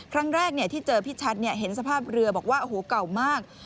ครั้งแรกที่เจอพี่ชัดเห็นสภาพเรือบอกว่าโอ้โหเก่ามาก